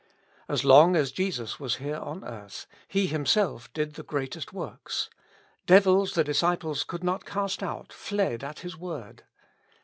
As long as Jesus was here on earth, He Him self did the greatest works : devils the disciples could not cast out, fled at His word.